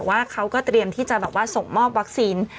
ว่าเขาก็เตรียมที่จะแบบว่าส่งมอบวัคซีน